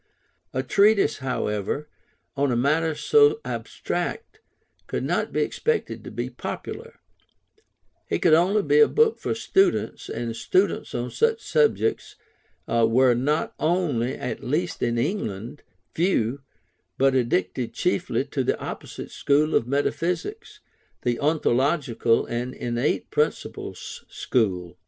A treatise, however, on a matter so abstract, could not be expected to be popular; it could only be a book for students, and students on such subjects were not only (at least in England) few, but addicted chiefly to the opposite school of metaphysics, the ontological and "innate principles" school.